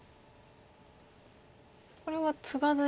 これはツガずに。